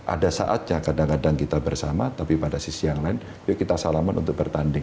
ada saatnya kadang kadang kita bersama tapi pada sisi yang lain yuk kita salaman untuk bertanding